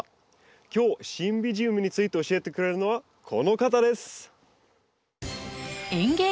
今日シンビジウムについて教えてくれるのはこの方です。